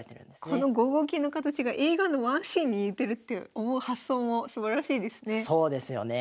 この５五金の形が映画のワンシーンに似てるって思う発想もすばらしいですよね。